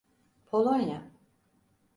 Polonya…